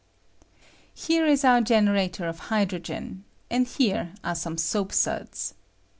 Here is our generator of hydrogen, and here are some soap suds.